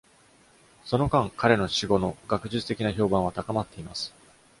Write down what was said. その間、彼の死後の学術的な評判は高まっています。